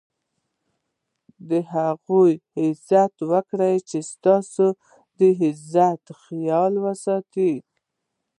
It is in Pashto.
د هغو عزت کوه، چي ستا دعزت خیال ساتي.